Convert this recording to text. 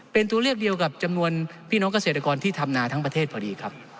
เป็นตัวเลือกเดียวกับจำนวนพี่น้องเกษตรกรที่ทำนาทั้งประเทศพอดีครับ